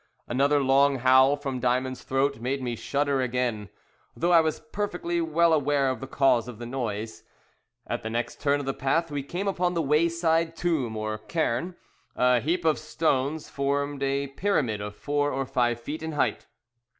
Another long howl from Diamond's throat made me shudder again, though I was perfectly well aware of the cause of the noise. At the next turn of the path we came upon the wayside tomb or cairn. A heap of stones formed a pyramid of four or five feet in height.